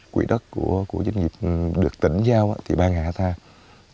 quỹ đất của doanh nghiệp được tỉnh giao thì ba hectare